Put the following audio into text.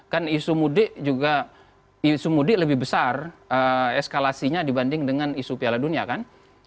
kan isu mudik juga isu mudik lebih besar eskalasinya dibanding dengan isu piala dunia kan